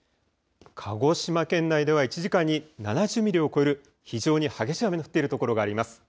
鹿児島県内では１時間に７０ミリを超える非常に激しい雨の降っている所があります。